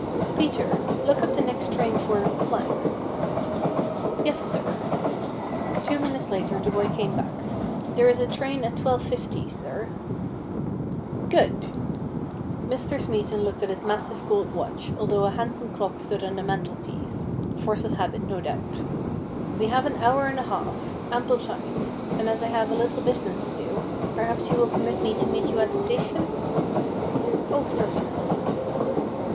' Peter, look up the next train for .' 'Yes, sir.' Two minutes later the boy came back. 'There is a train at 12.50, sir.' THE BLOOD DRIPS 205 ' Good !' Mr. Smeaton looked at his massive gold watch, although a handsome clock stood on the mantelpiece, the force of habit, no doubt :' We have an hour and a half — ample time ; and as I have a little business to do, perhaps you will permit me to meet you at the station ?'' Oh, certainly.'